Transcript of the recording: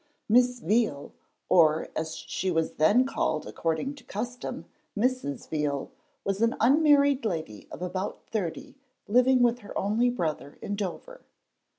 Miss Veal, or as she was then called according to custom, Mrs. Veal, was an unmarried lady of about thirty living with her only brother in Dover.